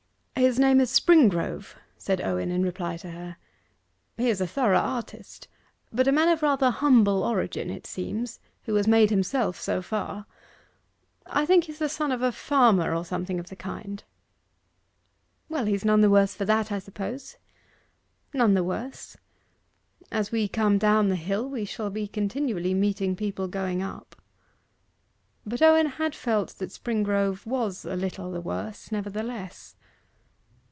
'His name is Springrove,' said Owen, in reply to her. 'He is a thorough artist, but a man of rather humble origin, it seems, who has made himself so far. I think he is the son of a farmer, or something of the kind.' 'Well, he's none the worse for that, I suppose.' 'None the worse. As we come down the hill, we shall be continually meeting people going up.' But Owen had felt that Springrove was a little the worse nevertheless.